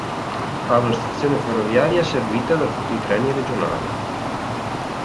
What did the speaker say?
Ha una stazione ferroviaria servita da tutti i treni regionali.